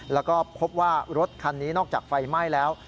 แล้วก็พบว่ารถคันนี้นอกจากไฟไหม้แล้ว